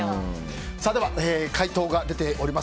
回答が出ております。